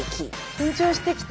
緊張してきた。